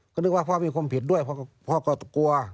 ก็นึกว่าพ่อมีความผิดด้วยพ่อก็กลัว